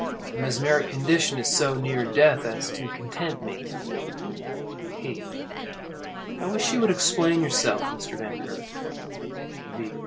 The mesmeric condition is so near death as to content me. P. I wish you would explain yourself, Mr. Vankirk. _V.